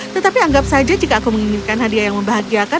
tetapi anggap saja jika aku menginginkan hadiah yang membahagiakan